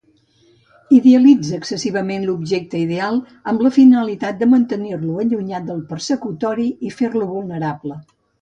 Idealitza excessivament l'objecte ideal amb la finalitat de mantenir-lo allunyat del persecutori i fer-lo vulnerable.